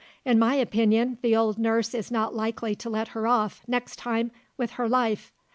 In my opinion, the old nurse is not likely to let her off, next time, with her life.